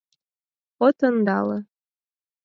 От ондале.